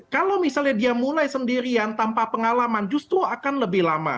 kalau misalnya dia mulai sendirian tanpa pengalaman justru akan lebih lama